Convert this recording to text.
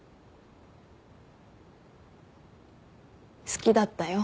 好きだったよ。